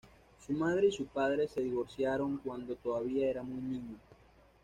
Su madre y su padre se divorciaron cuando todavía era muy niño.